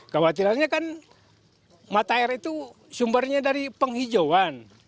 kekhawatirannya kan mata air itu sumbernya dari penghijauan